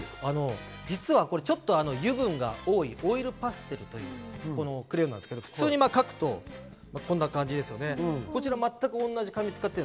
実は油分が多いオイルパステルというクラヨンなんですが、普通に書くとこんな感じです。